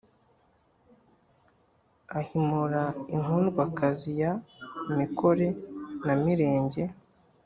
ahimura inkundwakazi ya mikore na mirenge